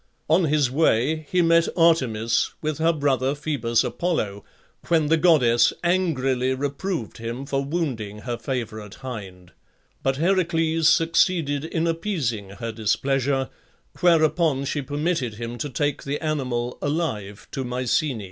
On his way he met Artemis with her brother Phoebus Apollo, when the goddess angrily reproved him for wounding her favourite hind; but Heracles succeeded in appeasing her displeasure, whereupon she permitted him to take the animal alive to Mycenæ.